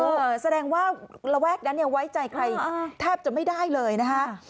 แสดงว่าระแวกนั้นเนี่ยไว้ใจใครแทบจะไม่ได้เลยนะคะ